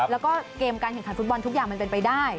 แล้วก็เกมการแข่งขันฟุตบอลทุกอย่างมันเป็นไปได้